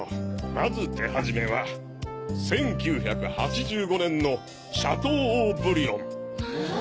まず手始めは１９８５年のシャトー・オー・ブリオン。